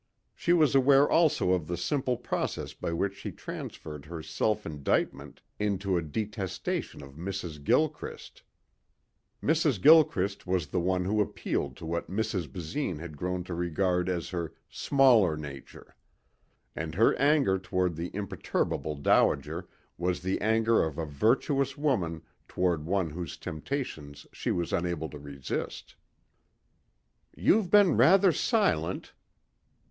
She was aware also of the simple process by which she transferred her self indictment into a detestation of Mrs. Gilchrist. Mrs. Gilchrist was the one who appealed to what Mrs. Basine had grown to regard as her "smaller nature." And her anger toward the imperturbable dowager was the anger of a virtuous woman toward one whose temptations she was unable to resist. "You've been rather silent."